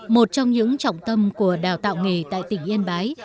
một trong những trọng tâm của đào tạo nghề tại tỉnh yên bái